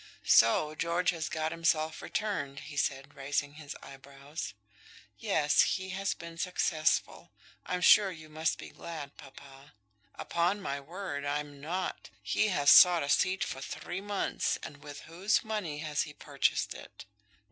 "So George has got himself returned," he said, raising his eyebrows. "Yes, he has been successful. I'm sure you must be glad, papa." "Upon my word, I'm not. He has bought a seat for three months; and with whose money has he purchased it?"